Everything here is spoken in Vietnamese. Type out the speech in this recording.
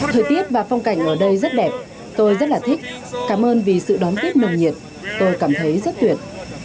thời tiết và phong cảnh ở đây rất đẹp tôi rất là thích cảm ơn vì sự đón tiếp nồng nhiệt tôi cảm thấy rất tuyệt